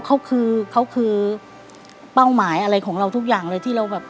เขาคือเป้าหมายอะไรของเราทุกอย่างเลย